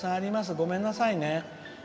ごめんなさいね。